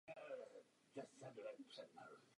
Zbývající byly vyřazeny.